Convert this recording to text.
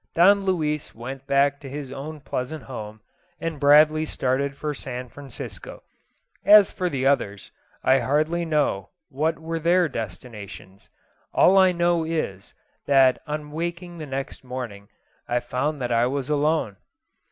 Don Luis went back to his own pleasant home, and Bradley started for San Francisco. As for the others, I hardly know what were their destinations. All I know is, that on waking the next morning, I found that I was alone.